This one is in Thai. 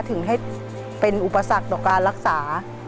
ถึงให้เป็นอุปสรรคต่อการรักษา